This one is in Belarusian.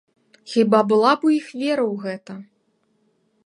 Хіба была б у іх вера ў гэта?